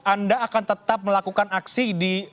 anda akan tetap melakukan aksi di